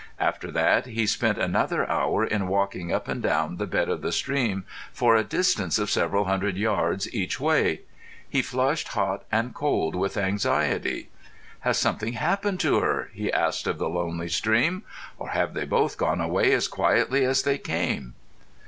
After that he spent another hour in walking up and down the bed of the stream for a distance of several hundred yards each way. He flushed hot and cold with anxiety. "Has something happened to her?" he asked of the lonely stream. "Or have they both gone away as quietly as they came?"